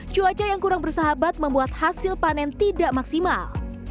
cuaca yang kurang bersahabat membuat hasil panen tidak maksimal